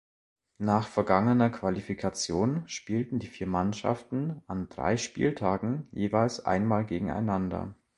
Nach vorangegangener Qualifikation spielten die vier Mannschaften an drei Spieltagen jeweils einmal gegeneinander.